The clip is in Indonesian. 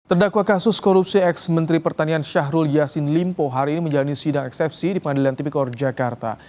terdakwa kasus korupsi ex menteri pertanian syahrul yassin limpo hari ini menjalani sidang eksepsi di pengadilan tipikor jakarta